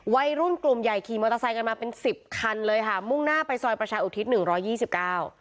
วัยรุ่นกลุ่มใหญ่ขี่มอเตอร์ไซค์กันมาเป็นสิบคันเลยค่ะมุ่งหน้าไปซอยประชาอุทิศหนึ่งร้อยยี่สิบเก้า